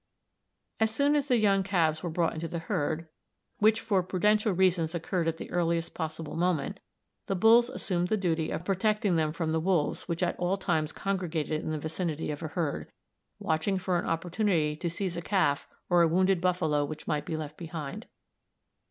As soon as the young calves were brought into the herd, which for prudential reasons occurred at the earliest possible moment, the bulls assumed the duty of protecting them from the wolves which at all times congregated in the vicinity of a herd, watching for an opportunity to seize a calf or a wounded buffalo which might be left behind.